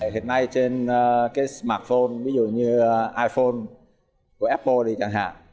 hiện nay trên cái smartphone ví dụ như iphone của apple thì chẳng hạn